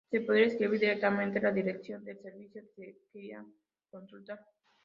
Se podía escribir directamente la dirección del servicio que se quería consultar.